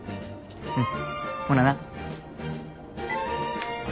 うんほなな。